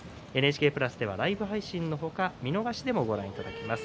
ＮＨＫプラスではライブ配信の他見逃しでもご覧いただきます。